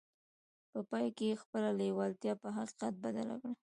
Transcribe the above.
په پای کې يې خپله لېوالتیا په حقيقت بدله کړه.